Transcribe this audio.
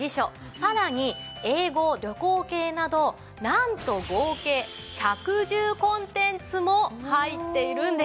さらに英語・旅行系などなんと合計１１０コンテンツも入っているんです。